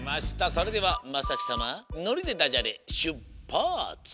それではまさきさま「のり」でダジャレしゅっぱつ！